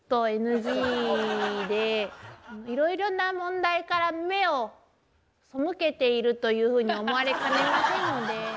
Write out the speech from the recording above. いろいろな問題から目を背けているというふうに思われかねませんので。